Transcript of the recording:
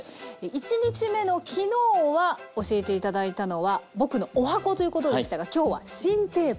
１日目の昨日は教えて頂いたのは「ぼくの十八番」ということでしたが今日は「新定番」。